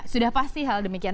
sudah pasti hal demikian